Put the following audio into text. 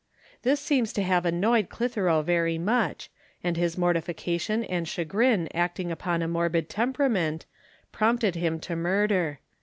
This seems to have annoyed Clitheroe very much, and his mortification and chagrin acting upon a morbid temperament prompted him to murder.